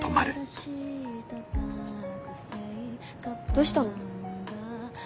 どうしたの？